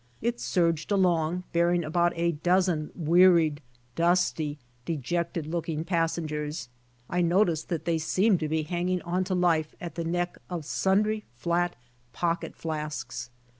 It surged along bearing about a dozen wearied, dusty, dejected looking passengers. I noticed that they seemed to be hanging on to life at the neck of sundry flat pocket flasks.